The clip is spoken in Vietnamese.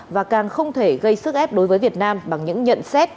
và càng không thể gây sức ép đối với việt nam bằng những nhận xét